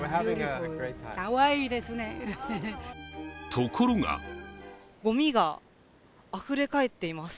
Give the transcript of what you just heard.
ところがごみがあふれかえっています。